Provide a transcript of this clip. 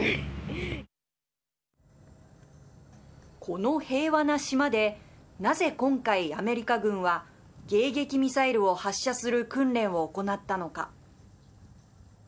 この平和な島でなぜ今回アメリカ軍は迎撃ミサイルを発射する訓練を行ったのか。